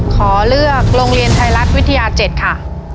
ขอเลือกโรงเรียนไทยรัฐวิทยา๗ค่ะ